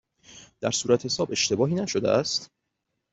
در صورتحساب اشتباهی نشده است؟